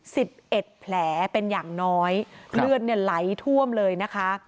สิบเอ็ดแผลเป็นอย่างน้อยเลือดเนี่ยไหลท่วมเลยนะคะ